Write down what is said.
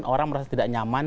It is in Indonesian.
orang merasa tidak nyaman